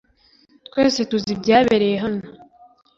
Twese tuzi ibyabereye hano .